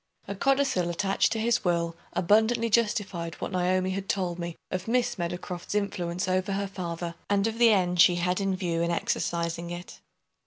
A codicil attached to his will abundantly justified what Naomi had told me of Miss Meadowcroft's influence over her father, and of the end she had in view in exercising it.